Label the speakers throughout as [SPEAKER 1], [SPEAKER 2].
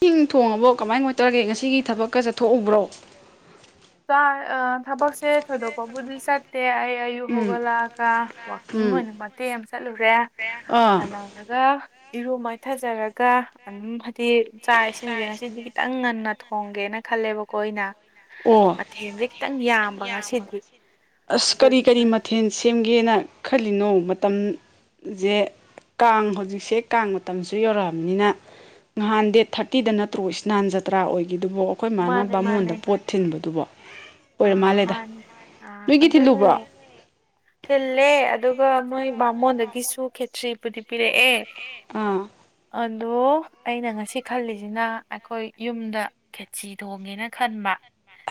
[SPEAKER 1] ꯁꯤꯡ ꯊꯣꯡꯉꯕꯣ ꯀꯃꯥꯏ ꯀꯃꯥꯢ ꯇꯧꯔꯒꯦ ꯉꯁꯤꯒꯤ ꯊꯕꯛꯀ ꯆꯠꯊꯣꯛꯎꯕ꯭ꯔꯣ
[SPEAKER 2] ꯆꯥꯢ ꯑ ꯊꯕꯛꯁꯦ ꯊꯣꯏꯗꯣꯛꯄꯕꯨꯗꯤ ꯆꯠꯇꯦ ꯑꯩ ꯑꯌꯨꯛ ꯨ
[SPEAKER 1] ꯎꯝ
[SPEAKER 2] ꯍꯧꯒꯠꯂꯛꯑꯒ ꯋꯥꯛꯀꯤꯡ
[SPEAKER 1] ꯎꯝ
[SPEAKER 2] ꯑꯣꯏꯅ ꯃꯇꯦꯛ ꯑꯃ ꯆꯠꯂꯨꯔꯦ
[SPEAKER 1] ꯑꯥ
[SPEAKER 2] ꯐꯅ ꯍꯜꯂꯛꯑꯒ ꯏꯔꯨ ꯃꯥꯏꯊꯖꯔꯒ ꯑꯅꯨꯝ ꯐꯥꯗꯤ ꯆꯥꯛ ꯏꯁꯤꯡꯁꯦ ꯉꯁꯤꯗꯤ ꯈꯤꯇꯪ ꯉꯟꯅ ꯊꯣꯡꯒꯦꯅ ꯈꯜꯂꯦꯕꯀꯣ ꯑꯩꯅ
[SPEAKER 1] ꯑꯣ
[SPEAKER 2] ꯃꯊꯦꯜꯁꯦ ꯈꯤꯇꯪ ꯌꯥꯝꯕ ꯉꯁꯤꯗꯤ
[SPEAKER 1] ꯑꯁ ꯀꯔꯤ ꯀꯔꯤ
[SPEAKER 2] ꯑꯗꯨꯗꯨꯅ
[SPEAKER 1] ꯃꯊꯦꯜ ꯁꯦꯝꯒꯦꯅ ꯈꯜꯂꯤꯅꯣ ꯃꯇꯝ ꯖꯦ ꯀꯥꯡ ꯍꯧꯖꯤꯛꯁꯦ ꯀꯥꯡ ꯃꯇꯝꯁꯨ ꯌꯧꯔꯛꯑꯝꯅꯤꯅ ꯅꯍꯥꯟ ꯗꯦꯠ ꯊꯥꯔꯇꯤꯗ ꯅꯠꯇ꯭ꯔꯣ ꯏꯁꯅꯥꯟ ꯖꯇ꯭ꯔꯥ ꯑꯣꯏ ꯑꯗꯨꯕꯣ ꯑꯩꯈꯣꯏ ꯃꯥꯅ
[SPEAKER 2] ꯃꯥꯅꯦ
[SPEAKER 1] ꯕꯥꯃꯣꯟꯗ ꯄꯣꯠ ꯊꯤꯟꯕꯗꯨꯕꯣ
[SPEAKER 2] ꯑ
[SPEAKER 1] ꯑꯣꯏꯔ ꯃꯥꯜꯂꯦꯗ
[SPEAKER 2] ꯃꯥꯅꯤ ꯑ
[SPEAKER 1] ꯅꯣꯏꯒꯤ
[SPEAKER 2] ꯑꯗꯨꯅꯦ
[SPEAKER 1] ꯊꯤꯜꯂꯨꯕ꯭ꯔꯣ
[SPEAKER 2] ꯊꯤꯜꯂꯦ ꯑꯗꯨꯒ ꯃꯣꯏ ꯕꯥꯃꯣꯟꯗꯒꯤꯁꯨ ꯈꯦꯆ꯭ꯔꯤꯄꯨꯗꯤ ꯄꯤꯔꯛꯑꯦ
[SPEAKER 1] ꯑꯥ
[SPEAKER 2] ꯑꯗꯣ ꯑꯩꯅ ꯉꯁꯤ ꯈꯜꯂꯤꯁꯤꯅ ꯑꯩꯈꯣꯏ ꯌꯨꯝꯗ ꯈꯦꯆꯤ ꯊꯣꯡꯒꯦꯅ ꯈꯟꯕ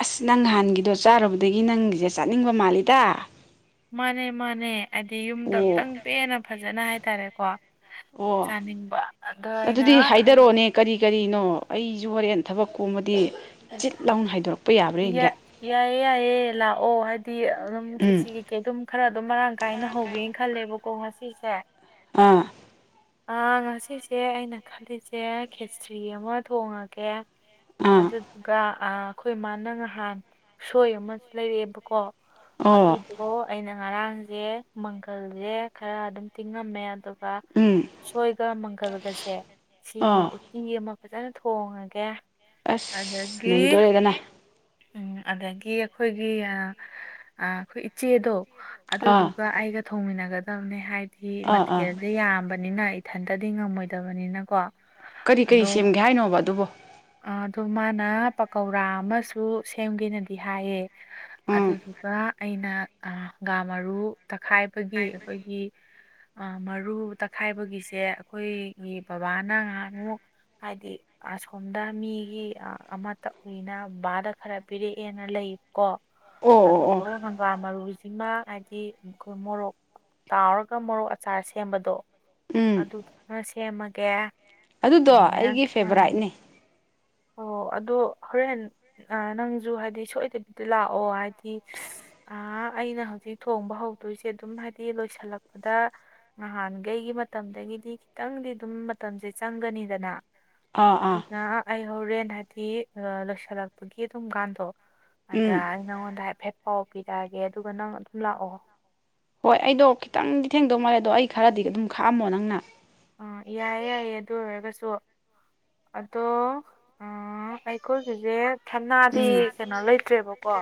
[SPEAKER 1] ꯑꯁ ꯅꯪ ꯅꯍꯥꯟꯒꯤꯗꯣ ꯆꯥꯔꯨꯕꯗꯒꯤ ꯅꯪꯒꯤꯁꯦ ꯆꯥꯅꯤꯡꯕ ꯃꯥꯜꯂꯤꯗ
[SPEAKER 2] ꯃꯥꯅꯦ ꯃꯥꯅꯦ ꯍꯥꯏꯗꯤ ꯌꯨꯝꯗꯣ
[SPEAKER 1] ꯑꯣ
[SPEAKER 2] ꯑꯝꯇꯪ ꯄꯦꯅ ꯐꯖꯅ ꯍꯥꯏꯇꯥꯔꯦꯀꯣ
[SPEAKER 1] ꯑꯣ
[SPEAKER 2] ꯆꯥꯅꯤꯡꯕ ꯑꯗꯣ ꯑꯩꯅ
[SPEAKER 1] ꯑꯗꯨꯗꯤ
[SPEAKER 2] ꯈꯜ
[SPEAKER 1] ꯍꯥꯏꯗꯔꯛꯑꯣꯅꯦ ꯀꯔꯤ ꯀꯔꯤꯅꯣ ꯑꯩꯁꯨ ꯍꯣꯔꯦꯟ ꯊꯕꯛ ꯀꯣꯃꯗꯤ
[SPEAKER 2] ꯌꯥꯏꯌꯦ ꯌꯥꯏꯌꯦ ꯂꯥꯛꯑꯣ ꯍꯥꯏꯗꯤ ꯑꯗꯨꯝ
[SPEAKER 1] ꯎꯝ
[SPEAKER 2] ꯈꯦꯆꯤ ꯀꯩ ꯑꯗꯨꯝ ꯈꯔ ꯑꯗꯨꯝ ꯃꯔꯥꯡ ꯀꯥꯏꯅ ꯍꯧꯒꯦꯅ ꯈꯜꯂꯦꯕꯀꯣ ꯉꯁꯤꯁꯦ
[SPEAKER 1] ꯑꯥ
[SPEAKER 2] ꯑ ꯉꯁꯤꯁꯦ ꯑꯩꯅ ꯈꯜꯂꯤꯁꯦ ꯈꯦꯆ꯭ꯔꯤ ꯑꯃ ꯊꯣꯡꯉꯒꯦ
[SPEAKER 1] ꯑꯥ
[SPEAKER 2] ꯑꯗꯨ ꯑꯥ ꯑꯩꯈꯣꯏ ꯃꯥꯅ ꯉꯍꯥꯟ ꯁꯣꯏ ꯑꯃ ꯂꯩꯔꯛꯑꯦꯕꯀꯣ ꯑꯗꯨ ꯑꯣ ꯑꯩꯅ ꯉꯔꯥꯡꯁꯦ ꯃꯪꯒꯜꯁꯦ ꯈꯔ ꯑꯗꯨꯝ ꯇꯤꯡꯉꯝꯃꯦ ꯑꯗꯨꯒ
[SPEAKER 1] ꯎꯝ
[SPEAKER 2] ꯎꯁꯣꯏꯒ ꯃꯪꯒꯜꯒꯁꯦ ꯁꯤꯃ
[SPEAKER 1] ꯑꯥ
[SPEAKER 2] ꯎꯇꯤ ꯑꯃ ꯐꯖꯅ ꯊꯣꯡꯉꯒꯦ
[SPEAKER 1] ꯑꯁ
[SPEAKER 2] ꯑꯗꯒꯤ
[SPEAKER 1] ꯅꯩꯗꯣꯔꯦꯗꯅꯥ
[SPEAKER 2] ꯎꯝ ꯑꯗꯒꯤ ꯑꯩꯈꯣꯏꯒꯤ ꯑꯩꯈꯣꯏ ꯏꯆꯦꯗꯣ
[SPEAKER 1] ꯑꯥ
[SPEAKER 2] ꯑꯗꯨꯗꯨꯒ ꯑꯩꯒ ꯊꯣꯡꯃꯤꯟꯅꯒꯗꯕꯅꯦ ꯍꯥꯏꯗꯤ
[SPEAKER 1] ꯑꯥ ꯑꯥ
[SPEAKER 2] ꯃꯊꯦꯜꯁꯤ ꯌꯥꯝꯕꯅꯤꯅ ꯏꯊꯟꯇꯗꯤ ꯉꯝꯃꯣꯏꯗꯕꯅꯤꯅꯀꯣ
[SPEAKER 1] ꯀꯔꯤ ꯀꯔꯤ ꯁꯦꯝꯒꯦ ꯍꯥꯏꯅꯣꯕ ꯑꯗꯨꯕꯣ
[SPEAKER 2] ꯑꯗꯨ ꯃꯥꯅ ꯄꯥꯀꯧꯔꯥ ꯑꯃꯁꯨ ꯁꯦꯝꯒꯦꯅꯗꯤ ꯍꯥꯏꯌꯦ
[SPEAKER 1] ꯎꯝ
[SPEAKER 2] ꯑꯗꯨꯗꯨꯒ ꯑꯩꯅ ꯍꯪꯒꯥꯥꯝ ꯃꯔꯨ ꯇꯛꯈꯥꯏꯕꯒꯤ ꯑꯩꯈꯣꯏꯒꯤ ꯃꯔꯨ ꯇꯛꯈꯥꯏꯕꯒꯤꯁꯦ ꯑꯩꯈꯣꯏꯒꯤ ꯕꯥꯕꯥꯅ ꯅꯥꯍꯟꯃꯨꯛ ꯍꯥꯏꯗꯤ [unintelligible] ꯁꯣꯝꯗ ꯃꯤꯒꯤ ꯑꯃꯇ ꯀꯨꯏꯅ ꯕꯥꯗ ꯈꯔ ꯄꯤꯔꯛꯑꯦꯅ ꯂꯩꯕꯀꯣ
[SPEAKER 1] ꯑꯣ ꯑꯣ ꯑꯣ
[SPEAKER 2] ꯑꯗꯨꯗꯨꯒ ꯍꯪꯒꯥꯝ ꯃꯔꯨꯁꯤꯃ ꯍꯥꯏꯗꯤ ꯑꯩꯈꯣꯏ ꯃꯣꯔꯣꯛ ꯇꯥꯎꯔꯒ ꯃꯣꯔꯣꯛ ꯑꯆꯥꯔ ꯁꯦꯝꯕꯗꯣ
[SPEAKER 1] ꯎꯝ
[SPEAKER 2] ꯑꯗꯨꯗꯨꯅ ꯁꯦꯝꯃꯒꯦ
[SPEAKER 1] ꯑꯗꯨꯗꯣ
[SPEAKER 2] ꯑꯗꯨꯃꯥꯏꯅ
[SPEAKER 1] ꯑꯩꯒꯤ ꯐꯦꯕꯣꯔꯥꯏꯠꯅꯤ
[SPEAKER 2] ꯑꯣ ꯑꯗꯣ ꯍꯣꯔꯦꯟ ꯅꯪꯁꯨ ꯍꯥꯏꯗꯤ ꯁꯣꯏꯗꯕꯤꯗ ꯂꯥꯛꯑꯣ ꯍꯥꯏꯗꯤ ꯑ ꯑꯩꯅ ꯍꯧꯖꯤꯛ ꯊꯣꯡꯕ ꯍꯧꯗꯣꯏꯁꯦ ꯑꯗꯨꯝ ꯍꯥꯏꯗꯤ ꯂꯣꯏꯁꯤꯜꯂꯛꯄꯗ ꯅꯍꯥꯟꯈꯩꯒꯤ ꯃꯇꯝꯗꯒꯤꯗꯤ ꯈꯤꯇꯪꯗꯤ ꯑꯗꯨꯝ ꯃꯇꯝꯁꯦ ꯆꯪꯒꯅꯤꯗꯅ
[SPEAKER 1] ꯑꯥ ꯑꯥ
[SPEAKER 2] ꯑꯗꯨꯅ ꯑꯩ ꯍꯣꯔꯦꯟ ꯍꯥꯏꯕꯗꯤ ꯂꯣꯏꯁꯤꯜꯂꯛꯄꯒꯤ ꯑꯗꯨꯝꯀꯥꯟꯗꯣ ꯑꯗ
[SPEAKER 1] ꯎꯝ
[SPEAKER 2] ꯑꯩ ꯅꯪꯉꯣꯟꯗ ꯍꯥꯏꯐꯦꯠ ꯄꯥꯎ ꯄꯤꯔꯛꯑꯒꯦ ꯑꯗꯨꯒ ꯅꯪ ꯑꯗꯨꯝ ꯂꯥꯛꯑꯣ
[SPEAKER 1] ꯍꯣꯏ ꯑꯩꯗꯣ ꯈꯤꯇꯪꯗꯤ ꯊꯦꯡꯗꯧ ꯃꯥꯔꯦ ꯑꯗꯣ ꯑꯩ ꯈꯔꯗꯤ ꯑꯗꯨꯝ ꯈꯥꯛꯑꯝꯃꯣ ꯅꯪꯅ
[SPEAKER 2] ꯑꯥ ꯌꯥꯏꯌꯦ ꯌꯥꯏꯌꯦ ꯑꯗꯨ ꯑꯣꯏꯔꯒꯁꯨ ꯑꯗꯣ ꯑꯩꯈꯣꯏꯒꯤꯁꯦ ꯊꯅꯥꯗꯤ
[SPEAKER 1] ꯎꯝ
[SPEAKER 2] ꯀꯩꯅꯣ ꯂꯩꯇ꯭ꯔꯦꯕꯀꯣ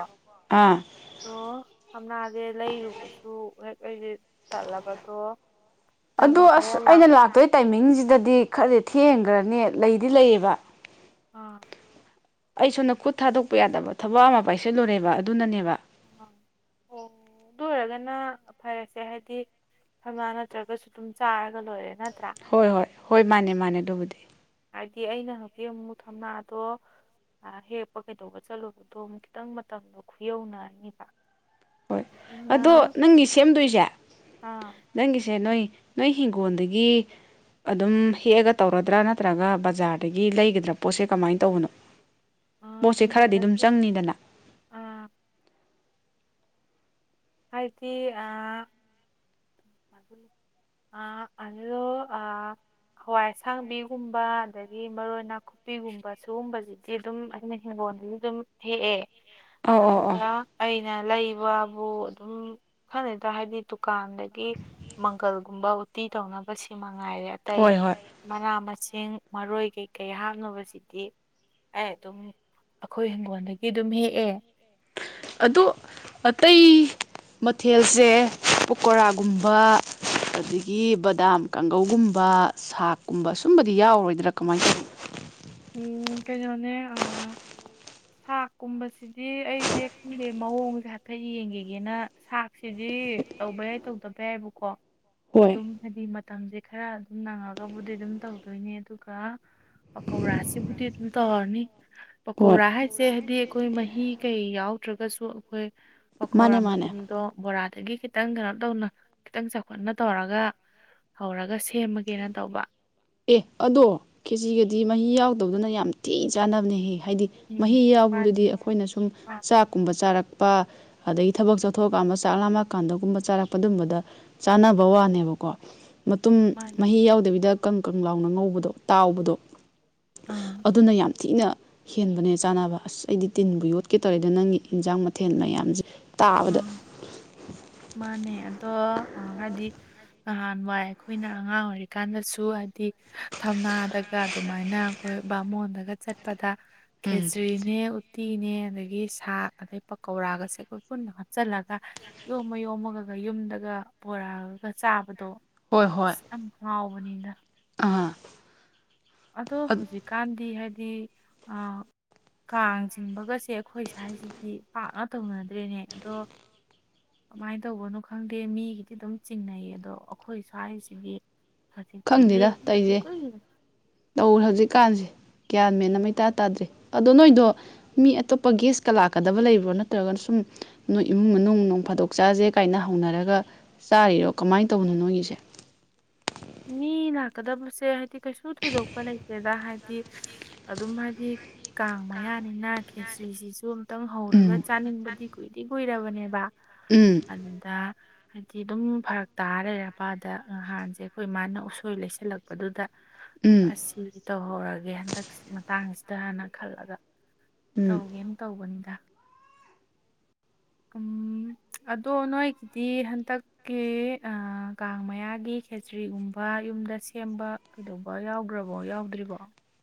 [SPEAKER 1] ꯑꯥ
[SPEAKER 2] ꯑꯗꯣ ꯁꯝꯅꯥꯁꯦ ꯂꯩꯔꯨꯕꯁꯨ ꯍꯦꯛ ꯍ ꯇꯠꯂꯕꯗꯣ
[SPEAKER 1] ꯑꯗ ꯑꯁ ꯑꯩꯅ ꯂꯥꯛꯇꯣꯏ ꯇꯥꯏꯃꯤꯡꯁꯤꯗꯗꯤ ꯈꯔꯗꯤ ꯊꯦꯡꯈ꯭ꯔꯅꯤ ꯂꯩꯗꯤ ꯂꯩꯌꯦꯕ
[SPEAKER 2] ꯑꯥ
[SPEAKER 1] ꯑꯩ ꯁꯣꯟꯅ ꯈꯨꯠ ꯊꯥꯗꯣꯛꯄ ꯌꯥꯗꯕ ꯊꯕꯛ ꯑꯃ ꯄꯥꯏꯁꯤꯜꯂꯨꯔꯦꯕ ꯑꯗꯨꯅꯅꯦꯕ
[SPEAKER 2] ꯎ ꯑꯣ ꯑꯗꯨ ꯑꯣꯏꯔꯒꯅ ꯐꯔꯁꯦ ꯍꯥꯏꯗꯤ ꯁꯅꯥ ꯅꯠꯇ꯭ꯔꯒꯁꯨ ꯑꯗꯨꯝ ꯆꯥꯔꯒ ꯂꯣꯏꯔꯦ ꯅꯠꯇ꯭ꯔꯥ
[SPEAKER 1] ꯍꯣꯏ ꯍꯣꯏ ꯍꯣꯏ ꯃꯥꯅꯦ ꯃꯥꯅꯦ ꯑꯗꯨꯕꯨꯗꯤ
[SPEAKER 2] ꯍꯥꯏꯕꯗꯤ ꯑꯩꯅ ꯍꯧꯖꯤꯀꯤ ꯑꯃꯨꯛ ꯊꯝꯅꯥ ꯑꯗꯣ ꯍꯦꯛꯄ ꯀꯩꯗꯧꯕ ꯆꯠꯂꯨꯕꯗꯣꯛ ꯈꯤꯇꯪ ꯃꯇꯝꯗꯣ ꯈꯨꯌꯧꯅꯔꯅꯤꯕ
[SPEAKER 1] ꯍꯣꯏ
[SPEAKER 2] ꯑꯗꯨꯅ
[SPEAKER 1] ꯑꯗꯣ ꯅꯪꯒꯤ ꯁꯦꯝꯗꯣꯏꯁꯦ
[SPEAKER 2] ꯑꯥ
[SPEAKER 1] ꯅꯪꯒꯤꯁꯦ ꯅꯣꯏ ꯅꯣꯏ ꯍꯤꯡꯒꯣꯜꯗꯒꯤ ꯑꯗꯨꯝ ꯍꯦꯛꯑꯒ ꯇꯧꯔꯗ꯭ꯔꯥ ꯅꯠꯇ꯭ꯔꯒ ꯕꯖꯥꯔꯗꯒꯤ ꯂꯩꯒꯗ꯭ꯔꯥ ꯄꯣꯠꯁꯦ ꯀꯃꯥꯏꯅ ꯇꯧꯕꯅꯣ
[SPEAKER 2] ꯑꯥ
[SPEAKER 1] ꯄꯣꯠꯁꯦ ꯈꯔꯗꯤ ꯑꯗꯨꯝ
[SPEAKER 2] ꯍꯤꯡꯒꯣꯜꯗꯒꯤ
[SPEAKER 1] ꯆꯪꯅꯤꯗꯅ
[SPEAKER 2] ꯑꯥ ꯍꯥꯏꯗꯤ ꯑ ꯑ ꯑꯣ ꯑ ꯍꯋꯥꯏ ꯑꯁꯥꯡꯕꯤꯒꯨꯝꯕ ꯑꯗꯒꯤ ꯃꯔꯣꯏ ꯅꯥꯀꯣꯡ ꯄꯤꯒꯨꯝꯕ ꯁꯤꯨꯒꯨꯝꯕꯁꯤꯗꯤ ꯑꯗꯨꯝ ꯑꯩꯅ ꯍꯤꯡꯒꯣꯜꯗꯗꯤ ꯑꯗꯨꯝ ꯍꯦꯛꯑꯦ
[SPEAKER 1] ꯑꯧ ꯑꯧ
[SPEAKER 2] ꯑꯗꯨꯒ
[SPEAKER 1] ꯑꯧ
[SPEAKER 2] ꯑꯩꯅ ꯂꯩꯕꯕꯨ ꯑꯗꯨꯝ ꯈꯅꯗ ꯍꯥꯏꯕꯗꯤ ꯗꯨꯀꯥꯟꯗ ꯒꯤ ꯃꯪꯒꯜꯒꯨꯝꯕ ꯎꯇꯤ ꯇꯧꯅꯕ ꯁꯤ ꯃꯉꯥꯏꯔꯦ ꯑꯇꯩ
[SPEAKER 1] ꯍꯣꯏ ꯍꯣꯏ
[SPEAKER 2] ꯃꯅꯥ ꯃꯁꯤꯡ ꯃꯔꯣꯏ ꯀꯩꯀꯩ ꯍꯥꯞꯅꯕꯕꯁꯤꯗꯤ ꯑꯩ ꯑꯗꯨꯝ ꯑꯩꯈꯣꯏ ꯍꯤꯡꯒꯣꯜꯗꯒꯤ ꯑꯗꯨꯝ ꯍꯦꯛꯑꯦ
[SPEAKER 1] ꯑꯗꯣ ꯑꯇꯩ ꯃꯊꯦꯜꯁꯦ ꯄꯀꯣꯔꯥꯒꯨꯝꯕ ꯑꯗꯒꯤ ꯕꯗꯥꯝ ꯀꯥꯡꯒꯧꯒꯨꯝꯕ ꯁꯥꯥꯛꯀꯨꯝꯕ ꯁꯨꯝꯕꯗꯤ ꯌꯥꯎꯔꯣꯏꯗ꯭ꯔꯥ ꯀꯃꯥꯏꯅ ꯇꯧꯅ
[SPEAKER 2] ꯎꯝ ꯀꯩꯅꯣꯅꯦ ꯑ ꯁꯥꯛꯀꯨꯝꯕꯁꯤꯗꯤ ꯑꯩꯁꯦ ꯈꯪꯗꯦ ꯃꯑꯣꯡꯁꯦ ꯍꯐꯠ ꯌꯦꯡꯒꯒꯦꯅ ꯁꯥꯛꯁꯤꯗꯤ ꯇꯧꯕ ꯌꯥꯏ ꯇꯧꯗꯕ ꯌꯥꯏꯕꯀꯣ
[SPEAKER 1] ꯍꯣꯏ
[SPEAKER 2] ꯑꯗꯨꯝ ꯍꯥꯏꯗꯤ ꯃꯇꯝꯁꯦ ꯈꯔ ꯑꯗꯨꯝ ꯅꯪꯉꯒꯕꯨꯗꯤ ꯑꯗꯨꯝ ꯇꯧꯗꯣꯏꯅꯦ ꯑꯗꯨꯒ ꯄꯀꯧꯔꯥꯁꯤꯕꯨꯗꯤ ꯑꯗꯨꯝ ꯇꯧꯍꯔꯅꯤ
[SPEAKER 1] ꯍꯣꯏ
[SPEAKER 2] ꯄꯀꯧꯔꯥ ꯍꯥꯏ ꯁꯦ ꯍꯥꯏꯗꯤ ꯑꯩꯈꯣꯏ ꯃꯍꯤ ꯀꯩ ꯌꯥꯎꯗ꯭ꯔꯒꯁꯨ ꯑꯩꯈꯣꯏ ꯄꯀꯧ ꯔꯥ
[SPEAKER 1] ꯃꯥꯅꯦ ꯃꯥꯅꯦ
[SPEAKER 2] ꯃꯜꯗꯣ ꯕꯣꯔꯥꯗꯒꯤ ꯈꯤ ꯈꯤꯇꯪ ꯀꯩꯅꯣ ꯇꯧꯅ ꯈꯤꯇꯪ ꯆꯥꯎꯈꯠꯅ ꯇꯧꯔꯒ ꯍꯧꯔꯒ ꯁꯦꯝꯃꯒꯦꯅ ꯇꯧꯕ
[SPEAKER 1] ꯑꯦ ꯑꯗꯣ ꯀꯦꯖꯤꯒꯗꯤ ꯃꯍꯤ ꯌꯥꯎꯗꯕꯗꯅ ꯌꯥꯝ ꯊꯤ ꯆꯥꯟꯅꯕꯅꯦꯍꯦ ꯍꯥꯏꯗꯤ ꯃꯍꯤ
[SPEAKER 2] ꯎꯝ ꯃꯥꯅꯤ
[SPEAKER 1] ꯌꯥꯎꯕꯗꯨꯗꯤ ꯑꯩꯈꯣꯏꯅ ꯁꯨꯝ ꯆꯥꯛ ꯨꯝꯕ ꯆꯥꯔꯛꯄ ꯑꯗꯒꯤ ꯊꯕꯛ ꯆꯠꯊꯣꯛꯑꯀꯥꯟꯗ ꯆꯥꯛ ꯂꯥꯝꯃ ꯀꯥꯟꯗꯒꯨꯝꯕ ꯆꯥꯔꯛꯄ ꯑꯗꯨꯝꯕꯗ ꯆꯥꯅꯕ ꯋꯥꯅꯦꯕꯀꯣ ꯃꯇꯨꯝ ꯃꯍꯤ
[SPEAKER 2] ꯃꯥꯅꯤ
[SPEAKER 1] ꯌꯥꯎꯗꯕꯤꯗ ꯀꯪ ꯀꯪ ꯂꯥꯎꯅ ꯉꯧꯕꯗꯣ ꯇꯥꯎꯕꯗꯣ
[SPEAKER 2] ꯑꯥ
[SPEAKER 1] ꯑꯗꯨꯅ ꯌꯥꯝ ꯊꯤꯅ ꯍꯦꯟꯕꯅꯦ ꯆꯥꯅꯕ ꯑꯁ ꯑꯩꯗꯤ ꯇꯤꯟꯕꯨ ꯌꯣꯠꯀꯦ ꯇꯧꯔꯦꯗ ꯅꯪꯒꯤ ꯏꯟꯖꯥꯡ ꯃꯊꯦꯜ ꯃꯌꯥꯝꯁꯦ ꯇꯥꯕꯗ
[SPEAKER 2] ꯑꯥ ꯃꯥꯅꯦ ꯑꯗꯣ ꯍꯥꯏꯗꯤ ꯅꯍꯥꯟꯋꯥꯏ ꯑꯩꯈꯣꯏꯅ ꯑꯉꯥꯡ ꯑꯣꯏꯔꯤꯀꯥꯟꯗꯁꯨ ꯍꯥꯏꯗꯤ ꯊꯝꯅꯥꯗꯒ ꯑꯗꯨꯃꯥꯏꯅ ꯑꯩꯈꯣꯏ ꯕꯥꯃꯣꯟꯗꯒ ꯆꯠꯄꯗ
[SPEAKER 1] ꯎꯝ
[SPEAKER 2] ꯈꯦꯇ꯭ꯔꯤꯅꯦ ꯎꯇꯤꯅꯦ ꯑꯗꯒꯤ ꯁꯥꯥꯛ ꯑꯗꯩ ꯄꯀꯧꯔꯥꯒꯁꯦ ꯄꯨꯨꯟꯗꯣ ꯍꯥꯞꯆꯤꯜꯂꯒ ꯌꯣꯝꯃ ꯌꯣꯝꯃꯒ ꯌꯨꯝꯗꯒ ꯄꯨꯣꯔꯛꯑꯒ ꯆꯥꯕꯗꯣ
[SPEAKER 1] ꯍꯣꯏ ꯍꯣꯏ
[SPEAKER 2] ꯌꯥꯝ ꯍꯥꯎꯕꯅꯤꯅ
[SPEAKER 1] ꯑꯥ
[SPEAKER 2] ꯑꯗꯣ ꯍꯧꯖꯤꯛꯀꯥꯟꯗꯤ ꯍꯥꯏꯗꯤ ꯀꯥꯡ ꯆꯤꯡꯕꯒꯁꯦ ꯑꯩꯈꯣꯏ ꯁ꯭ꯋꯥꯏꯁꯤꯗꯤ ꯄꯥꯛꯅ ꯇꯧꯅꯗ꯭ꯔꯦꯅꯦ ꯑꯗꯣ ꯀꯃꯥꯏꯅ ꯇꯧꯕꯅꯣ ꯈꯪꯗꯦ ꯃꯤꯒꯤꯗꯤ ꯑꯗꯨꯝ ꯆꯤꯡꯅꯩ ꯑꯗꯣ ꯑꯩꯈꯣꯏ ꯁ꯭ꯋꯥꯏꯁꯤꯒꯤ ꯐ
[SPEAKER 1] ꯈꯪꯗꯦꯗ
[SPEAKER 2] ꯊꯤꯂꯤꯁ
[SPEAKER 1] ꯇꯧꯔꯤꯁꯦ
[SPEAKER 2] ꯀ
[SPEAKER 1] ꯇꯧꯔꯦ ꯍꯧꯖꯤꯛꯀꯥꯟꯁꯦ ꯒ꯭ꯌꯥꯟ ꯃꯦꯟꯅ ꯃꯩꯇꯥ ꯇꯥꯗ꯭ꯔꯤ ꯑꯗꯣ ꯅꯣꯏꯗꯣ ꯃꯤ ꯑꯇꯣꯞꯄ ꯒꯦꯁꯀ ꯂꯥꯛꯀꯗꯕ ꯂꯩꯕ꯭ꯔꯣ ꯅꯠꯇ꯭ꯔꯒꯅ ꯁꯨꯝ ꯅꯣꯏ ꯏꯃꯨꯡ ꯃꯅꯨꯡ ꯐꯥꯗꯣꯛ ꯆꯥꯥꯁꯦ ꯀꯥꯏꯅ ꯍꯧꯅꯔꯒ ꯆꯥꯔꯤꯔꯣ ꯀꯃꯥꯏꯅ ꯇꯧꯕꯅꯣ ꯅꯣꯏꯒꯤꯁꯦ
[SPEAKER 2] ꯃꯤ ꯂꯥꯛꯀꯗꯕꯁꯦ ꯍꯥꯏꯗꯤ ꯀꯩꯁꯨ ꯊꯣꯏꯗꯣꯛꯄ ꯂꯩꯇꯦꯗ ꯍꯥꯏꯗꯤ ꯍꯥꯏꯗꯤ ꯑꯗꯨꯝ ꯍꯥꯏꯗꯤ ꯀꯥꯡ ꯃꯌꯥꯅꯤꯅ ꯈꯦꯇ꯭ꯔꯤꯁꯤꯁꯨ ꯈꯤꯇꯪ ꯍꯧꯔꯒ
[SPEAKER 1] ꯎꯝ
[SPEAKER 2] ꯆꯥꯅꯤꯡꯕꯗꯤ ꯀꯨꯏꯗꯤ ꯀꯨꯏꯔꯕꯅꯦꯕ
[SPEAKER 1] ꯎꯝ
[SPEAKER 2] ꯑꯗꯨꯗ ꯍꯥꯏꯗꯤ ꯑꯗꯨꯝ ꯐꯔꯛ ꯇꯥꯔ ꯂꯩꯔꯦꯄꯥꯗꯍꯥꯟꯁꯦ ꯑꯩꯈꯣꯏ ꯃꯥꯅ ꯎꯁꯣꯏ ꯂꯩꯁꯤꯜꯂꯛꯄꯗꯨꯗ
[SPEAKER 1] ꯎꯝ
[SPEAKER 2] ꯑꯁꯤ ꯇꯧꯍꯧꯔꯒꯦ ꯍꯟꯗꯛ ꯃꯇꯥꯡꯁꯤꯗꯥꯟꯅ ꯈꯜꯂꯒ
[SPEAKER 1] ꯎꯝ
[SPEAKER 2] ꯇꯧꯒꯦꯅ ꯇꯧꯕꯅꯤꯗ ꯎꯝ ꯑꯗꯣ ꯅꯣꯏꯒꯤꯗꯤ ꯍꯟꯗꯛ ꯀꯦ ꯀꯥꯡ ꯃꯌꯥꯒꯤ ꯈꯦꯇ꯭ꯔꯤꯒꯨꯝꯕ ꯌꯨꯝꯗ ꯁꯦꯝꯕ ꯀꯩꯗꯧꯕ ꯌꯥꯎꯗ꯭ꯔꯕꯣ ꯌꯥꯎꯗ꯭ꯔꯤꯕꯣ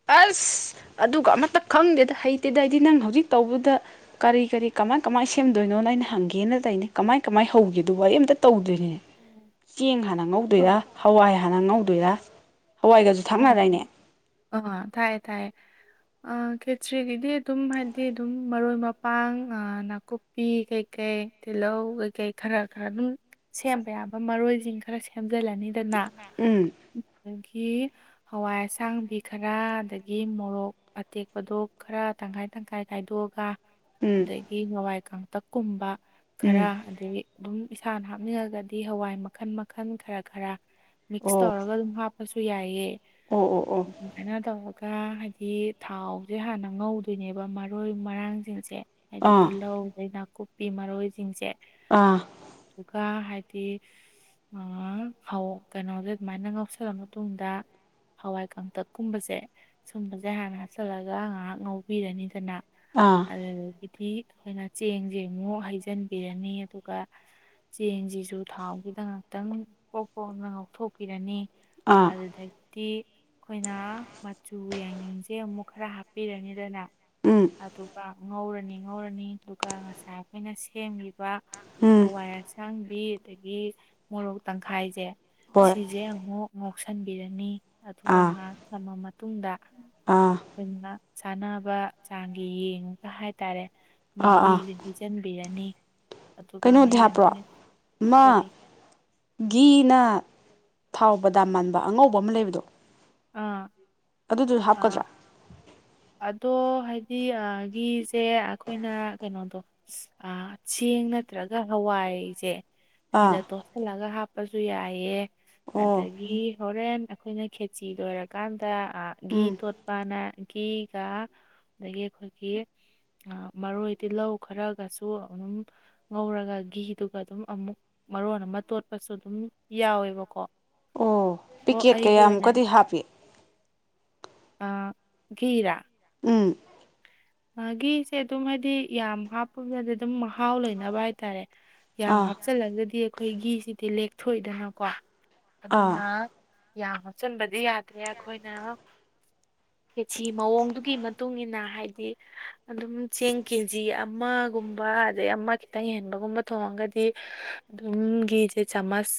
[SPEAKER 1] ꯑꯁ ꯑꯗꯨꯒ ꯑꯃꯇ ꯈꯪꯗꯦꯗ ꯍꯩꯇꯦꯗ ꯍꯥꯏꯗꯤ ꯅꯪ ꯍꯧꯖꯤꯛ ꯇꯧꯕꯗ ꯀꯔꯤ ꯀꯔꯤ ꯀꯃꯥꯏ ꯀꯃꯥꯏꯅ ꯁꯦꯝꯗꯣꯏꯅꯣꯅ ꯑꯩꯅ ꯍꯪꯒꯦꯅ ꯇꯩꯅ ꯀꯃꯥꯏ ꯀꯃꯥꯏ ꯍꯧꯒꯦꯗꯨꯕ ꯑ ꯑꯃꯇ ꯇꯧꯗꯣꯏꯅꯣ ꯆꯦꯡ ꯍ
[SPEAKER 2] ꯑꯣ
[SPEAKER 1] ꯉꯗꯣꯏꯔ ꯍ ꯍ ꯉꯗꯣꯏꯔ ꯍ
[SPEAKER 2] ꯑꯣ ꯑ ꯊꯥꯏꯌꯦ ꯊꯥꯏꯌꯦ ꯈꯦꯇ꯭ꯔꯤꯒꯤꯗꯤ ꯑꯗꯨꯝ ꯍꯥꯏꯗꯤ ꯑꯗꯨꯝ ꯃꯔꯣꯏ ꯃꯄꯥꯡ ꯅꯥꯀꯨꯞ ꯅꯥꯄꯤ ꯀꯩꯀꯩ ꯇꯤꯜꯍꯧ ꯀꯩꯀꯩ ꯈꯔ ꯈꯔ ꯑꯗꯨꯝ ꯁꯦꯝꯕ ꯌꯥꯕ ꯃꯔꯣꯏꯁꯤꯡ ꯈꯔ ꯁꯦꯝꯖꯤꯜꯂꯅꯤꯗꯅ
[SPEAKER 1] ꯎꯝ
[SPEAKER 2] ꯑꯗꯒꯤ ꯍꯋꯥꯏ ꯑꯁꯥꯡꯕꯤ ꯈꯔ ꯑꯗꯒꯤ ꯃꯣꯔꯣꯛ ꯑꯇꯦꯛꯄꯗꯣ ꯈꯔ ꯇꯪꯈꯥꯏ ꯇꯪꯈꯥꯏ ꯈꯥꯏꯗꯣꯛꯑꯒ
[SPEAKER 1] ꯎꯝ
[SPEAKER 2] ꯑꯗꯒꯤ ꯍꯋꯥꯏ ꯀꯇꯛꯀꯨꯝꯕ ꯈꯔ
[SPEAKER 1] ꯎꯝ
[SPEAKER 2] ꯑꯗꯒꯤ ꯑꯗꯨꯝ ꯏꯁꯥꯅ ꯍꯥꯞꯅꯤꯡꯉꯒꯗꯤ ꯍꯋꯥꯏ ꯃꯈꯜ ꯃꯈꯜ ꯈꯔ ꯈꯔ ꯃꯤꯛꯁ
[SPEAKER 1] ꯑꯣ
[SPEAKER 2] ꯇꯧꯔꯒ ꯑꯗꯨꯝ ꯍꯥꯞꯄꯁꯨ ꯌꯥꯏꯑ
[SPEAKER 1] ꯑꯣ ꯑꯣ ꯑꯣ
[SPEAKER 2] ꯑꯗꯨꯃꯥꯏꯅ ꯇꯧꯔꯒ ꯍꯥꯏꯗꯤ ꯊꯥꯎꯁꯦ ꯍꯥꯟꯅ ꯉꯧꯗꯣꯏꯅꯦꯕ ꯃꯔꯣꯏ ꯃꯔꯥꯡꯁꯤꯡꯁꯦ ꯍꯥꯏꯗꯤ
[SPEAKER 1] ꯑꯥ
[SPEAKER 2] ꯇꯤꯜꯍꯧ ꯑꯗꯩ ꯅꯥꯀꯨꯞꯄꯤ ꯃꯔꯣꯏꯁꯤꯡꯁꯦ
[SPEAKER 1] ꯑꯥ
[SPEAKER 2] ꯑꯗꯨꯒꯀ ꯍꯥꯏꯗꯤ ꯐꯥꯎ ꯀꯩꯅꯣꯁꯦ ꯑꯗꯨꯃꯥꯏꯅ ꯉꯥꯎꯁꯜꯂ ꯃꯇꯨꯡꯗ ꯍꯋꯥꯏ ꯀꯪꯇꯛꯀꯨꯝꯕꯁꯦ ꯁꯨꯝꯕꯁꯦ ꯍꯥꯟꯅ ꯍꯥꯆꯜꯂꯒ ꯉꯥꯏꯍꯥꯛ ꯉꯧꯕꯤꯔꯅꯤꯗꯅ
[SPEAKER 1] ꯑꯥ
[SPEAKER 2] ꯑꯗꯨꯗꯒꯤꯗꯤ ꯑꯩꯈꯣꯏꯅ ꯆꯦꯡꯁꯦ ꯑꯃꯨꯛ ꯍꯩꯖꯤꯟꯕꯤꯔꯅꯤ ꯑꯗꯨꯒ ꯆꯦꯡꯁꯤꯁꯨ ꯊꯥꯎꯒꯤꯗ ꯉꯥꯛꯇꯪ ꯄꯣꯛ ꯄꯣꯛꯅ ꯉꯥꯛꯊꯣꯛꯄꯤꯔꯅꯤ
[SPEAKER 1] ꯑꯥ
[SPEAKER 2] ꯑꯗꯨꯗꯒꯤ ꯤ ꯑꯩꯈꯣꯏꯅ ꯃꯆꯨ ꯌꯥꯏꯉꯪꯁꯦ ꯑꯃꯨꯛ ꯈꯔ ꯍꯥꯞꯄꯤꯔꯅꯤꯗꯅ
[SPEAKER 1] ꯎꯝ
[SPEAKER 2] ꯑꯗꯨꯒ ꯉꯧꯔꯅꯤ ꯉꯧꯔꯅꯤ ꯑꯗꯨꯒ ꯉꯁꯥꯏ ꯑꯩꯈꯣꯏꯅ ꯁꯦꯝꯂꯤꯕ
[SPEAKER 1] ꯎꯝ
[SPEAKER 2] ꯍꯋꯥꯏ ꯑꯁꯥꯡꯕꯤ ꯑꯗꯒꯤ ꯃꯣꯔꯣꯛ ꯇꯪꯈꯥꯏꯁꯦ
[SPEAKER 1] ꯍꯣꯏ
[SPEAKER 2] ꯁꯤꯁꯦ ꯑꯃꯨꯛ ꯉꯧꯁꯟꯕꯤꯔꯅꯤ ꯑꯗꯨꯒ
[SPEAKER 1] ꯑꯥ
[SPEAKER 2] ꯉꯥꯏꯍꯥꯛ ꯊꯝꯃ ꯃꯇꯨꯡꯗ
[SPEAKER 1] ꯑꯥ
[SPEAKER 2] ꯑꯩꯈꯣꯏꯅ ꯆꯥꯅꯕ ꯆꯥꯡꯒꯤ ꯌꯦꯡꯉꯒ ꯍꯥꯏꯇꯥꯔꯦ
[SPEAKER 1] ꯑꯥ ꯑꯥ
[SPEAKER 2] ꯃꯍꯤꯁꯦ ꯍꯩꯖꯟꯕꯤꯔꯅꯤ ꯑꯗꯨꯒ
[SPEAKER 1] ꯀꯩꯅꯣꯗꯤ
[SPEAKER 2] ꯃꯍꯤ
[SPEAKER 1] ꯍꯥꯞꯄ꯭ꯔꯣ
[SPEAKER 2] [unintelligible]
[SPEAKER 1] ꯑꯃ
[SPEAKER 2] ꯀꯔꯤ
[SPEAKER 1] ꯘꯤꯅ ꯊꯥꯎ ꯕꯗꯥꯝ ꯃꯥꯟꯕ ꯑꯉꯧꯕ ꯑꯃ ꯂꯩꯕꯗꯣ
[SPEAKER 2] ꯑꯥ
[SPEAKER 1] ꯑꯗꯨꯗꯨ
[SPEAKER 2] ꯑꯥ
[SPEAKER 1] ꯍꯥꯞꯀꯗ꯭ꯔꯥ
[SPEAKER 2] ꯑꯗꯣ ꯍꯥꯏꯗꯤ ꯘꯤꯁꯦ ꯑꯩꯈꯣꯏꯅ ꯀꯩꯅꯣꯗꯣ ꯑ ꯆꯦꯡ ꯅꯠꯇ꯭ꯔꯒ ꯍꯋꯥꯏꯁꯦ
[SPEAKER 1] ꯑꯥ
[SPEAKER 2] ꯁꯤꯗ ꯇꯣꯠꯁꯤꯜꯂꯒ ꯍꯥꯞꯄꯁꯨ ꯌꯥꯏꯑꯦ
[SPEAKER 1] ꯑꯣ
[SPEAKER 2] ꯑꯗꯒꯤ ꯍꯣꯔꯦꯟ ꯑꯩꯈꯣꯏꯅ ꯈꯦꯆꯤ ꯂꯣꯏꯔꯀꯥꯟꯗ ꯘꯤ
[SPEAKER 1] ꯎꯝ
[SPEAKER 2] ꯇꯣꯠꯄꯅ ꯘꯤꯒ ꯑꯗꯒꯤ ꯑꯩꯈꯣꯏꯒꯤ ꯃꯔꯣꯏ ꯇꯤꯜꯍꯧ ꯈꯔꯒꯁꯨ ꯑꯗꯨꯝ ꯉꯧꯔꯒ ꯘꯤꯗꯨꯒ ꯑꯗꯨꯝ ꯑꯃꯨꯛ ꯃꯔꯣꯟ ꯑꯃ ꯇꯣꯠꯄꯁꯨ ꯑꯗꯨꯝ ꯌꯥꯎꯋꯦꯕꯀꯣ
[SPEAKER 1] ꯑꯣ
[SPEAKER 2] ꯑꯗꯣ
[SPEAKER 1] ꯄꯤꯀꯦꯠ
[SPEAKER 2] ꯑꯩꯒꯤ ꯑꯣꯏꯅ
[SPEAKER 1] ꯀꯌꯥꯃꯨꯛꯀꯗꯤ ꯍꯥꯞꯄꯤ
[SPEAKER 2] ꯘꯤꯔꯥ
[SPEAKER 1] ꯎꯝ
[SPEAKER 2] ꯑ ꯘꯤꯁꯦ ꯑꯗꯨꯝ ꯍꯥꯏꯗꯤ ꯌꯥꯝ ꯍꯥꯞꯄ [unintelligible] ꯑꯗꯨꯝ ꯃꯍꯥꯎ ꯂꯩꯅꯕ ꯍꯥꯏꯇꯥꯔꯦ ꯌꯥꯝ
[SPEAKER 1] ꯑꯥ
[SPEAKER 2] ꯍꯥꯞꯆꯤꯜꯂꯒꯗꯤ ꯑꯩꯈꯣꯏ ꯘꯤꯁꯤꯗꯤ ꯂꯦꯛꯊꯣꯛꯏꯗꯅꯀꯣ
[SPEAKER 1] ꯑꯥ
[SPEAKER 2] ꯑꯗꯨꯅ ꯌꯥꯝ ꯍꯥꯆꯤꯟꯕꯗꯤ ꯌꯥꯗꯦ ꯑꯩꯈꯣꯏꯅ ꯈꯦꯆꯤ ꯃꯑꯣꯡꯗꯨꯒꯤ ꯃꯇꯨꯡ ꯃꯇꯨꯡꯏꯟꯅ ꯍꯥꯏꯗꯤ ꯑꯗꯨꯝ ꯆꯦꯡ ꯀꯦ ꯖꯤ ꯑꯃꯒꯨꯝꯕ ꯑꯗꯩ ꯑꯃ ꯈꯤꯇꯪ ꯍꯦꯟꯕꯒꯨꯝꯕ ꯊꯣꯡꯉꯒꯗꯤ ꯑꯗꯨꯝ ꯘꯤꯁꯦ ꯆꯥꯃꯁ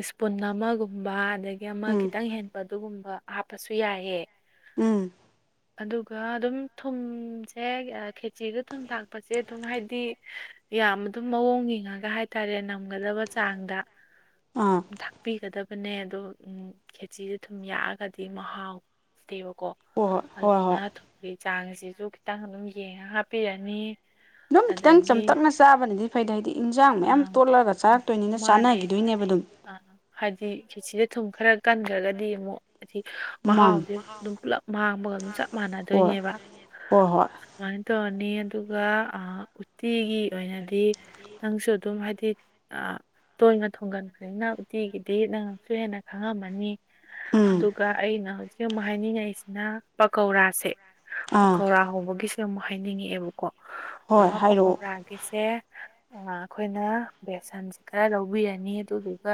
[SPEAKER 2] ꯏꯁꯄꯨꯟ ꯑꯃꯒꯨꯝꯕ ꯑꯗ ꯒꯤ ꯑꯃ
[SPEAKER 1] ꯎꯝ
[SPEAKER 2] ꯈꯤꯇꯪ ꯍꯦꯟꯕ ꯑꯗꯨꯒꯨꯝꯕ ꯍꯥꯞꯄꯁꯨ ꯌꯥꯏꯌꯦ
[SPEAKER 1] ꯎꯝ
[SPEAKER 2] ꯑꯗꯨ ꯒ ꯑꯗꯨꯝ ꯊꯨꯝꯁꯦ ꯈꯦꯆꯤꯗ ꯊꯨꯝ ꯊꯥꯛꯄꯁꯦ ꯑꯗꯨꯝ ꯍꯥꯏꯗꯤ ꯌꯥꯝ ꯑꯗꯨꯝ ꯃꯑꯣꯡ ꯌꯦꯡꯉꯒ ꯍꯥꯏꯇꯥꯔꯦ ꯅꯝꯒꯗꯕ ꯆꯥꯡꯗ
[SPEAKER 1] ꯑꯥ
[SPEAKER 2] ꯊꯥꯛꯄꯤꯒꯗꯕꯅꯦ ꯑꯗꯣ ꯈꯦꯆꯁꯦ ꯊꯨꯝ ꯌꯥꯛꯑꯒꯗꯤ ꯃꯍꯥꯎꯇꯦꯕꯀꯣ
[SPEAKER 1] ꯍꯣꯏ ꯍꯣꯏ ꯍꯣꯏ
[SPEAKER 2] ꯑꯗꯨꯅ
[SPEAKER 1] ꯍꯣꯏ
[SPEAKER 2] ꯊꯨꯝꯒꯤ ꯆꯥꯡꯁꯤꯁꯨ ꯈꯤꯇꯪ ꯑꯗꯨꯝ ꯌꯦꯡꯉꯒ ꯍꯥꯞꯄꯤꯔꯅꯤ
[SPEAKER 1] ꯑꯗꯨꯝ ꯈꯤꯇꯪ
[SPEAKER 2] ꯑꯗꯒꯤ
[SPEAKER 1] ꯆꯝꯇꯛꯅ ꯆꯥꯕꯅꯗꯤ ꯐꯩꯗ ꯍꯥꯏꯗꯤ ꯏꯟꯖꯥꯡ
[SPEAKER 2] ꯑ,
[SPEAKER 1] ꯃꯌꯥꯝ
[SPEAKER 2] ꯎꯝ,
[SPEAKER 1] ꯇꯣꯠꯂꯛꯑꯒ ꯆꯥꯔꯛꯇꯣꯏꯅꯤꯅ ꯆꯥꯅꯈꯤꯗꯣꯏꯅꯦꯕ ꯑꯗꯨꯝ
[SPEAKER 2] ꯑ ꯍꯥꯏꯗꯤ ꯈꯦꯆꯤꯗ ꯊꯨꯝ ꯈꯔ ꯀꯟꯈ꯭ꯔꯒꯗꯤ ꯑꯃꯨꯛ ꯑꯗꯤ
[SPEAKER 1] ꯃꯥꯅꯤ
[SPEAKER 2] ꯃꯍꯥꯎꯁꯦ ꯑꯗꯨꯝ ꯄꯨꯂꯞ ꯃꯥꯡꯕꯒ ꯑꯗꯨꯝ ꯆꯞ
[SPEAKER 1] ꯍꯣꯏ
[SPEAKER 2] ꯃꯥꯟꯅꯗꯣꯏꯅꯦꯕ
[SPEAKER 1] ꯍꯣꯏ ꯍꯣꯏ
[SPEAKER 2] ꯑꯗꯨꯨꯃꯥꯏꯅ ꯇꯧꯔꯅꯤ ꯑꯗꯨꯒ ꯑ ꯎꯇꯤꯒꯤ ꯑꯣꯏꯅꯗꯤ ꯅꯪꯁꯨ ꯑꯗꯨꯝ ꯍꯥꯏꯗꯤ ꯑ ꯇꯣꯏꯅ ꯊꯣꯡꯒꯟꯕꯅꯤꯅ ꯎꯇꯤꯒꯤꯗꯤ ꯅꯪꯅꯁꯨ ꯍꯦꯟꯅ ꯈꯪꯉꯝꯃꯅꯤ
[SPEAKER 1] ꯎꯝ
[SPEAKER 2] ꯑꯗꯨꯒ ꯑꯩꯅ ꯍꯧꯖꯤꯛ ꯑꯃꯨꯛ ꯍꯥꯏꯅꯤꯡꯉꯛꯏꯁꯤꯅ ꯄꯀꯧꯔꯥꯁꯦ
[SPEAKER 1] ꯑꯥ
[SPEAKER 2] ꯄꯀꯧꯔꯥ ꯍꯧꯕꯒꯤꯁꯦ ꯑꯃꯨꯛ ꯍꯥꯏꯅꯤꯡꯉꯛꯑꯦꯕꯀꯣ
[SPEAKER 1] ꯍꯣꯏ ꯍꯥꯏꯔꯛꯑꯣ
[SPEAKER 2] ꯄꯀꯧꯔꯥ ꯒꯤꯁꯦ ꯑꯩꯈꯣꯏꯅ ꯕꯦꯁꯟꯁꯦ ꯈꯔ ꯂꯧꯕꯤꯔꯅꯤ ꯑꯗꯨꯗꯨꯒ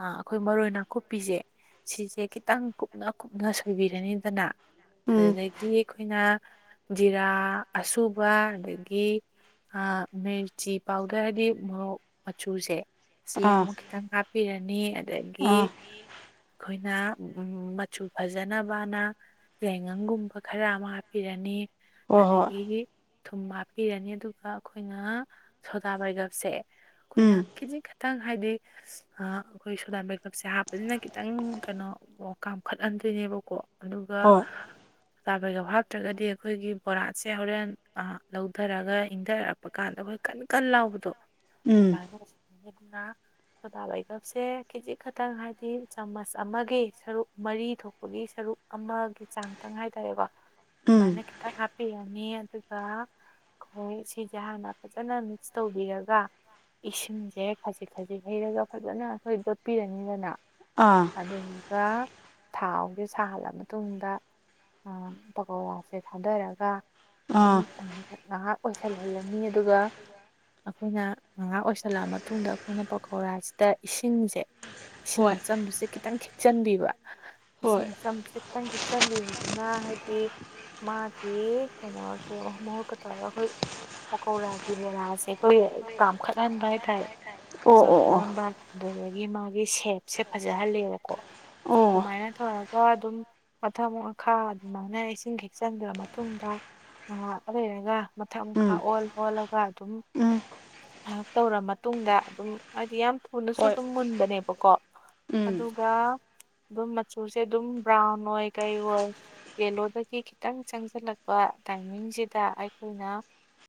[SPEAKER 2] ꯑ ꯑꯩꯈꯣꯏ ꯃꯔꯣꯏ ꯅꯥꯀꯨꯞꯄꯤꯁꯦ ꯁꯤꯁꯦ ꯈꯤꯇꯪ ꯀꯨꯞꯅ ꯀꯨꯞꯅ ꯁꯣꯏꯕꯤꯔꯅꯤꯗꯅ
[SPEAKER 1] ꯎꯝ
[SPEAKER 2] ꯑꯗꯨꯗꯩꯩꯗꯤ ꯑꯩꯈꯣꯏꯅ ꯖꯤꯔꯥ ꯑꯁꯨꯕ ꯑꯗꯒꯤ ꯑ ꯃꯤꯔ ꯆꯤ ꯄꯥꯎꯗꯔ ꯍꯥꯏꯗꯤ ꯃꯣꯔꯣꯛ ꯃꯆꯨꯁꯦ ꯁꯤ
[SPEAKER 1] ꯑꯥ
[SPEAKER 2] ꯑꯃꯨꯛ ꯈꯤꯇꯪ ꯍꯥꯞꯄꯤꯔꯅꯤ ꯑꯗꯒꯤ
[SPEAKER 1] ꯑꯥ
[SPEAKER 2] ꯑꯩꯈꯣꯏꯅ ꯎ ꯃꯆꯨ ꯐꯖꯅꯕꯅ ꯌꯥꯏꯉꯪꯒꯨꯝꯕ ꯈꯔ ꯑꯃ ꯍꯥꯞꯄꯤꯔꯅꯤ
[SPEAKER 1] ꯍꯣꯏ ꯍꯣꯏ
[SPEAKER 2] ꯑꯗꯒꯤ ꯊꯨꯝ ꯍꯥꯞꯄꯤꯔꯅꯤ ꯑꯗꯨꯒ ꯑꯩꯈꯣꯏꯅ ꯁꯣꯗꯥ ꯕꯥꯏꯒꯞꯁꯦ ꯑꯩꯈꯣꯏꯅ
[SPEAKER 1] ꯎꯝ
[SPEAKER 2] ꯀꯦꯖꯤ ꯈꯛꯇꯪ ꯍꯥꯏꯗꯤ ꯑꯥ ꯑꯩꯈꯣꯏ ꯁꯣꯗꯥ ꯕꯦꯀꯞꯁꯦ ꯍꯥꯞꯄꯅꯤꯅ ꯈꯤꯇꯪ ꯀꯩꯅꯣ ꯀꯥꯝꯈꯠꯍꯟꯗꯣꯏꯅꯦꯕꯀꯣ ꯑꯗꯨꯒ
[SPEAKER 1] ꯍꯣꯏ
[SPEAKER 2] ꯁꯣꯗꯥ ꯕꯦꯀꯞꯁꯦ ꯍꯥꯞꯇ꯭ꯔꯒꯗꯤ ꯑꯩꯈꯣꯏꯒꯤ ꯕꯣꯔꯥꯁꯦ ꯍꯣꯔꯦꯟ ꯂꯧꯊꯔꯒ ꯏꯪꯊꯔꯛꯄ ꯀꯥꯟꯗ ꯑꯩꯈꯣꯏ ꯀꯟ ꯀꯟ ꯂꯥꯎꯕꯗꯣ
[SPEAKER 1] ꯎꯝ
[SPEAKER 2] ꯑꯗꯨꯃꯥꯏꯅꯅ ꯁꯣꯗꯥꯕꯩꯒꯞꯁꯦ ꯀꯦꯖꯤꯛ ꯈꯛꯇꯪ ꯍꯥꯏꯗꯤ ꯆꯥꯃꯁ ꯑꯃꯒꯤ ꯁꯔꯨꯛ ꯃꯔꯤ ꯊꯣꯛꯄꯒꯤ ꯁꯔꯨꯛ ꯑꯃꯒꯤ ꯆꯥꯡꯇꯪ ꯍꯥꯏꯇꯥꯔꯦꯀꯣ
[SPEAKER 1] ꯎꯝ
[SPEAKER 2] ꯑꯗꯨꯃꯥꯏꯅ ꯈꯤꯇꯪ ꯍꯥꯞꯄꯤꯔꯅꯤ ꯑꯗꯨꯒ ꯑꯩꯈꯣꯏ ꯁꯤꯁꯦ ꯍꯥꯟꯅ ꯐꯖꯅ ꯃꯤꯛꯁ ꯇꯧꯕꯤꯔꯒ ꯏꯁꯤꯡꯁꯦ ꯈꯖꯤꯛ ꯈꯖꯤꯛ ꯍꯩꯔꯒ ꯐꯖꯅ ꯑꯩꯈꯣꯏ ꯗꯣꯠꯄꯤꯔꯅꯤꯗꯅ
[SPEAKER 1] ꯑꯥ
[SPEAKER 2] ꯑꯗꯨꯒ ꯊꯥꯎꯁꯦ ꯁꯥꯍꯜꯂ ꯃꯇꯨꯡꯗ ꯄꯀꯧꯋꯥꯁꯦ ꯊꯥꯗꯔꯒ ꯑꯗꯨꯝ
[SPEAKER 1] ꯑꯥ
[SPEAKER 2] ꯉꯥꯏꯍꯥꯛ ꯑꯣꯏꯁꯜꯍꯜꯂꯅꯤ ꯑꯗꯨꯒ ꯑꯩꯈꯣꯏꯅ ꯉꯥꯏꯍꯥꯥꯛ ꯑꯣꯏꯁꯜꯂꯛꯑ ꯃꯇꯨꯡꯗ ꯑꯩꯈꯣꯏꯅ ꯄꯀꯧꯔꯥꯁꯤꯗ ꯏꯁꯤꯡꯁꯦ ꯏꯁꯤꯡ
[SPEAKER 1] ꯍꯣꯏ
[SPEAKER 2] ꯑꯆꯝꯕꯁꯦ ꯈꯤꯇꯪ ꯊꯈꯤꯆꯟꯕꯤꯕ
[SPEAKER 1] ꯍꯣꯏ
[SPEAKER 2] ꯏꯁꯤꯡ ꯑꯆꯝꯁꯦ ꯈꯤꯇꯪ ꯀꯈꯤꯛ ꯆꯟꯕꯤꯕꯗꯨꯅ ꯍꯥꯏꯗꯤ ꯃꯥꯒꯤ ꯀꯩꯅꯣꯁꯦ ꯃꯍꯨꯠ ꯃꯍꯨꯠ ꯇꯧꯔ ꯑꯩꯈꯣꯏ ꯄꯀꯧꯂꯥꯒꯤ ꯕꯣꯂꯥꯁꯦ ꯑꯩꯈꯣꯏ ꯄꯥꯝꯈꯠꯍꯟꯕ ꯍꯥꯏ ꯇꯥꯥꯏꯔꯦ
[SPEAKER 1] ꯑꯣ ꯑꯣ ꯑꯣ
[SPEAKER 2] ꯆꯥꯎꯊꯣꯛꯍꯟꯕ ꯑꯗꯨꯗꯒꯤ ꯃꯥꯒꯤ ꯁꯦꯞꯁꯦ ꯐꯖꯍꯜꯂꯦꯕꯀꯣ
[SPEAKER 1] ꯑꯣ
[SPEAKER 2] ꯑꯗꯨꯃꯥꯏꯅ ꯇꯧꯔꯒ ꯑꯗꯨꯝ ꯃꯊꯛ ꯃꯈꯥ ꯑꯗꯨꯃꯥꯏꯅ ꯏꯁꯤꯡ ꯈꯤꯛꯆꯟꯕꯤꯔꯥ ꯃꯇꯨꯡꯗ ꯉꯍꯥꯛꯀ ꯂꯩꯔꯒ ꯃꯊꯛ ꯃꯈꯥ
[SPEAKER 1] ꯎꯝ
[SPEAKER 2] ꯑꯣꯜ ꯑꯣꯜꯂꯒ ꯑꯗꯨꯝ
[SPEAKER 1] ꯎꯝ
[SPEAKER 2] ꯉꯥꯏꯍꯥꯛ ꯇꯧꯔ ꯃꯇꯨꯡꯗ ꯑꯗꯨꯝ ꯍꯥꯏꯗꯤ ꯌꯥꯝ ꯊꯨꯅꯁꯨ
[SPEAKER 1] ꯍꯣꯏ
[SPEAKER 2] ꯑꯗꯨꯝ ꯃꯨꯟꯕꯅꯦꯕꯀꯣ
[SPEAKER 1] ꯎꯝ
[SPEAKER 2] ꯑꯗꯨꯒ ꯑꯗꯨꯝ ꯃꯆꯨꯁꯦ ꯑꯗꯨꯝ ꯕ꯭ꯔꯥꯎꯟ ꯑꯣꯏ ꯀꯩ ꯑꯣꯏ ꯌꯦꯜꯂꯣꯗꯒꯤ ꯈꯤꯇꯪ ꯆꯪꯁꯤꯜꯂꯛꯄ ꯇꯥꯏꯃꯤꯡꯁꯤꯗ ꯑꯩꯈꯣꯏꯅ